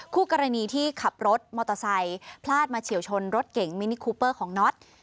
คู่กรณีที่ขับรถมอเตอร์ไซค์พลาดมาเฉียวชนรถเก่งมินิคูเปอร์ของน็อต